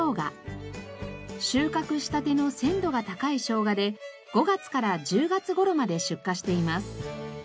収穫したての鮮度が高いしょうがで５月から１０月頃まで出荷しています。